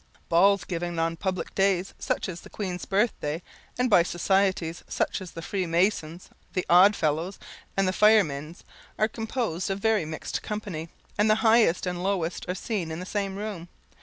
Balls given on public days, such as the Queen's birthday, and by societies, such as the Freemasons', the Odd Fellows', and the Firemen's, are composed of very mixed company, and the highest and lowest are seen in the same room.